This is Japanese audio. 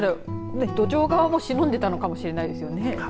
ドジョウ側もしのいでいたのかもしれないですね。